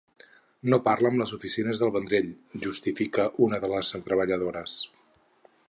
“No parla amb les oficines del Vendrell”, justifica una de les treballadores.